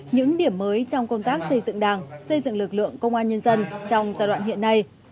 những điểm mới trong công tác xây dựng đảng xây dựng lực lượng công an nhân dân trong giai đoạn hiện nay